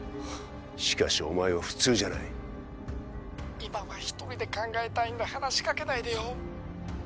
しかしお前は普通じゃない今は一人で考えたいんだ話しかけないでよ